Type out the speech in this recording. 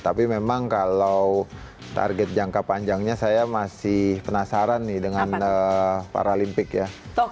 tapi memang kalau target jangka panjangnya saya masih penasaran nih dengan paralimpik ya